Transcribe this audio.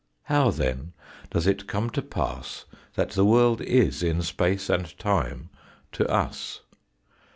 How then does it come to pass that the world is in space and time to us